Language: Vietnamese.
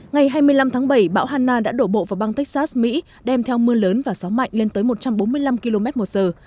ngày hai mươi năm tháng bảy bão hanna đã đổ bộ vào băng texas mỹ đem theo mưa lớn và gió mạnh lên tới một trăm bốn mươi năm km một giờ